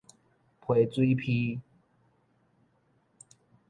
批水披